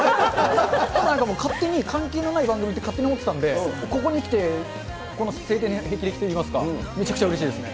なんか勝手に関係のない番組と勝手に思ってたんで、ここにきて、この青天のへきれきといいますか、めちゃくちゃうれしいですね。